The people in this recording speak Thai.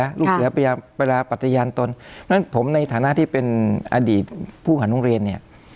ครับลูกเสื้อไปไปแล้วปรัชญาณตนฉะนั้นผมในฐานะที่เป็นอดีตผู้หาโรงเรียนเนี่ย